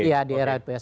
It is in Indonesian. iya di daerah psby